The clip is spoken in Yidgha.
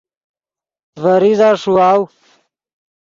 ڤے ریزہ ݰیواؤ